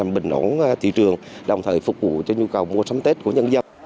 bình ổn thị trường đồng thời phục vụ cho nhu cầu mua sắm tết của nhân dân